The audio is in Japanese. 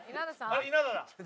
稲田だ！